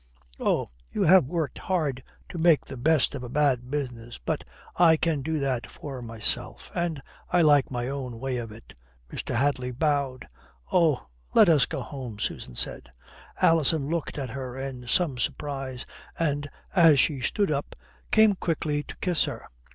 "Oh, you have worked hard to make the best of a bad business. But I can do that for myself, and I like my own way of it." Mr. Hadley bowed. "Oh! Let us go home," Susan said. Alison looked at her in some surprise, and, as she stood up, came quickly to kiss her.